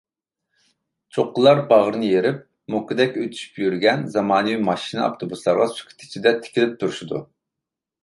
چوققىلار باغرىنى يېرىپ، موكىدەك ئۆتۈشۈپ يۈرگەن زامانىۋى ماشىنا-ئاپتوبۇسلارغا سۈكۈت ئىچىدە تىكىلىپ تۇرۇشىدۇ.